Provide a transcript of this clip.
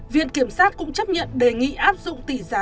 viện kiểm sát cũng chấp nhận đề nghị áp dụng tỷ giá